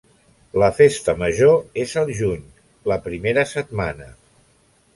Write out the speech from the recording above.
La festa major és al juny, la primera setmana.